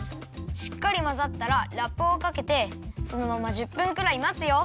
しっかりまざったらラップをかけてそのまま１０分ぐらいまつよ。